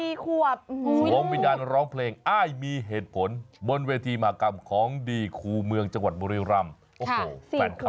สวมวิญญาณร้องเพลงอ้ายมีเหตุผลบนเวทีมหากรรมของดีครูเมืองจังหวัดบุรีรำโอ้โหแฟนคลับ